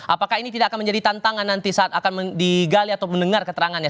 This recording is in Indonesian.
apakah ini tidak akan menjadi tantangan nanti saat akan digali atau mendengar keterangannya